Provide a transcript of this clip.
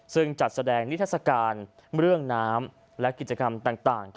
ซึ่งจัดแสดงนิทัศกาลเรื่องน้ำและกิจกรรมต่าง